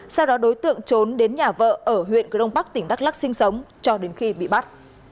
sau đó đối tượng trốn đến nhà vợ ở huyện cửa đông bắc tỉnh đắk lắc sinh sống cho đến khi bị bắt